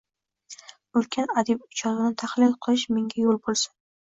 Ulkan adib ijodini tahlil qilish menga yo`l bo`lsin